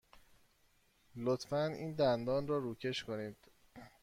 لطفاً این دندان را روکش کنید.